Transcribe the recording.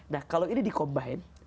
nah kalau ini dikombain